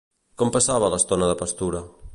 Com passava l'estona de pastura?